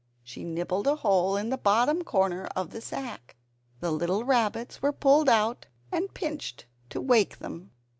She nibbled a hole in the bottom corner of the sack. The little rabbits were pulled out and pinched to wake them.